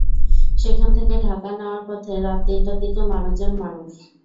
সেখান থেকে ঢাকা নেওয়ার পথে রাত তিনটার দিকে মারা যান মারুফ।